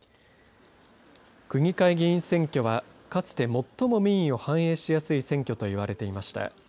区議会議員選挙はかつて最も民意を反映しやすい選挙と言われていました。